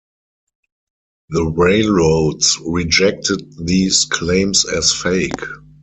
The railroads rejected these claims as fake.